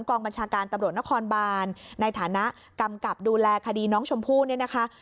กองบัญชาการตำรวจนครบานในฐานะกำกับดูแลคดีน้องชมพู่เนี่ยนะคะ